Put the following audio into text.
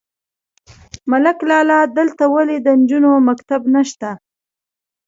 _ملک لالا! دلته ولې د نجونو مکتب نشته؟